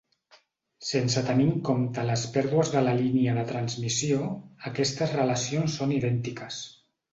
Sense tenir en compte les pèrdues de la línia de transmissió, aquestes relacions són idèntiques.